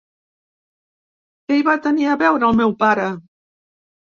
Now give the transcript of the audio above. Què hi va tenir a veure el meu pare?